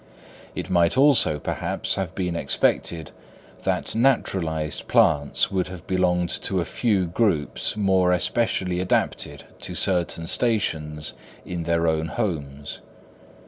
It might also, perhaps, have been expected that naturalised plants would have belonged to a few groups more especially adapted to certain stations in their new homes.